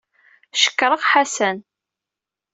Cekṛeɣ Ḥasan.